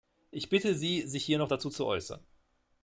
Ich bitte Sie, sich hier noch dazu zu äußern.